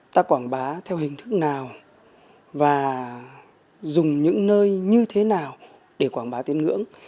ta quảng bá theo hình thức nào và dùng những nơi như thế nào để quảng bá tín ngưỡng